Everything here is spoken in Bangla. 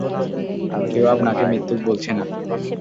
কেউ আপনাকে মিথ্যুক বলছে না!